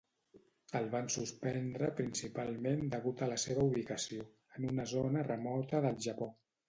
El van suspendre principalment degut a la seva ubicació, en una zona remota del Japó.